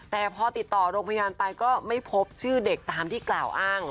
แต่พอติดต่อโรงพยาบาลไปก็ไม่พบชื่อเด็กตามที่กล่าวอ้าง